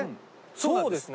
そうですね。